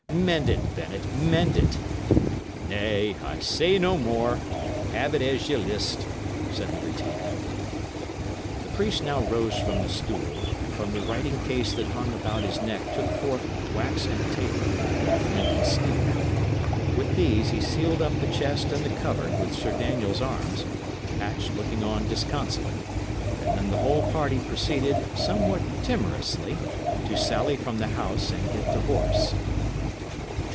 Mend it, Bennet, mend it." "Nay, I say no more. Have it as ye list," said the retainer. The priest now rose from the stool, and from the writing case that hung about his neck took forth wax and a taper, and a flint and steel. With these he sealed up the chest and the cupboard with Sir Daniel's arms, Hatch looking on disconsolate; and then the whole party proceeded, somewhat timorously, to sally from the house and get to horse.